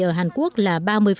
ở hàn quốc là ba mươi